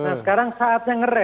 nah sekarang saatnya nge rem